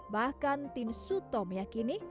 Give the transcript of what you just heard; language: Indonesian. bahkan tim suto meyakini